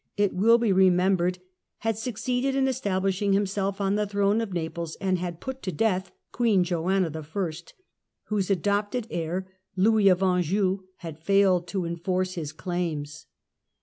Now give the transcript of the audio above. it will be remembered, had succeeded in Charles establishing himself on the throne of Naples and had gg^"' ■^^®^' put to death Queen Joanna I., whose adopted heir Louis of Anjou had failed to enforce his claims.